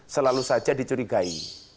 selalu saja dicurigai